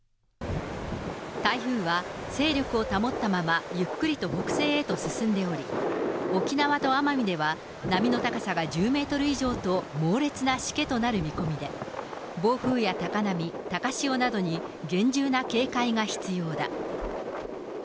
台風は勢力を保ったままゆっくりと北西へと進んでおり、沖縄と奄美では、波の高さが１０メートル以上と猛烈なしけとなる見込みで、暴風や高波、高潮などに厳重な警戒が必要だ。